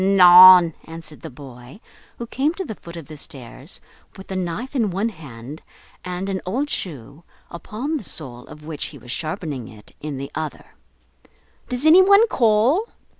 "Anan!" answered the boy, who came to the foot of the stairs, with a knife in one hand and an old shoe, upon the sole of which he was sharpening it, in the other, "Does any one call?"